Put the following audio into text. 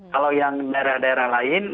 kalau yang daerah daerah lain